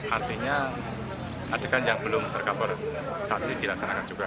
artinya adegan yang belum terkabar saat ini dilaksanakan juga